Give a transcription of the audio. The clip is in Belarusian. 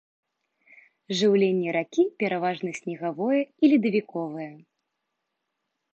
Жыўленне ракі пераважна снегавое і ледавіковае.